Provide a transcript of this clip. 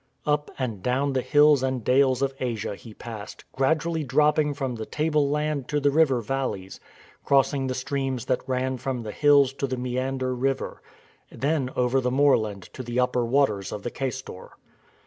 Up and down the hills and dales of Asia he passed, gradually drop ping from the tableland to the river valleys, crossing the streams that ran from the hills to the Meander River, then over the moorland to the upper waters of the Caistor.